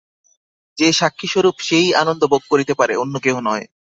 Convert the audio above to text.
যে সাক্ষিস্বরূপ সে-ই আনন্দ ভোগ করিতে পারে, অন্য কেহ নহে।